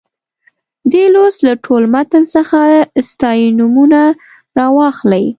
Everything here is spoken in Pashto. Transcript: دې لوست له ټول متن څخه ستاینومونه راواخلئ.